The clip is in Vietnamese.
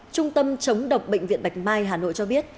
trung tâm chống độc bệnh viện bạch mai hà nội cho biết